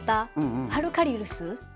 ファルカリウス。